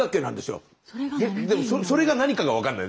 でもそれが何かが分かんない。